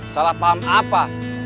salah paham apa